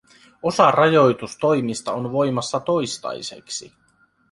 Osa rajoitustoimista on voimassa toistaiseksi.